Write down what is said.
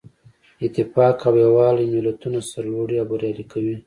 اتفاق او یووالی ملتونه سرلوړي او بریالي کوي.